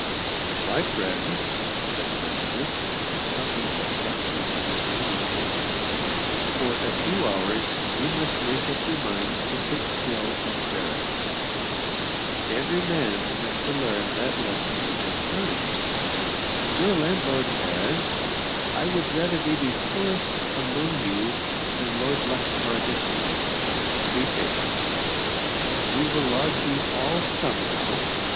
"My friends," said the master, stopping abruptly in his narrative, "for a few hours you must make up your minds to sit still and bear it. Every man has to learn that lesson at times. Your landlord has I would rather be the poorest among you than Lord Luxmore this night. Be patient; we'll lodge you all somehow.